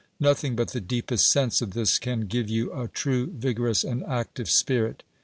Nothing but the deepest sense of this can give you a true, vigorous, and active spirit.